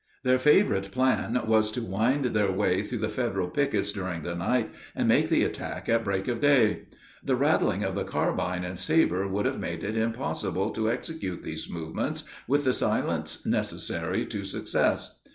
Their favorite plan was to wind their way through the Federal pickets during the night, and make the attack at break of day. The rattling of the carbine and saber would have made it impossible to execute these movements with the silence necessary to success.